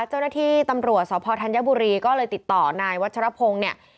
เจ้าหน้าที่ตำรวจสพธัญบุรีก็เลยติดต่อนายวัชรพงศ์เนี่ย